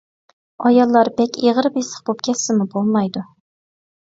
ئاياللار بەك ئېغىر-بېسىق بولۇپ كەتسىمۇ بولمايدۇ.